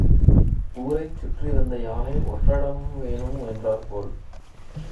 ஊரைச் சுற்றி வந்த யானை ஒற்றடம் வேணும் என்றாற்போல்.